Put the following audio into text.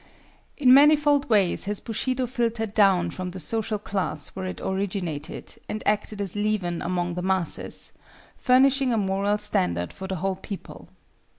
In manifold ways has Bushido filtered down from the social class where it originated, and acted as leaven among the masses, furnishing a moral standard for the whole people.